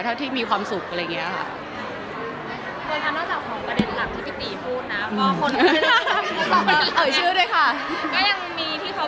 ที่มีความสุขอะไรอย่างนี้ค่ะ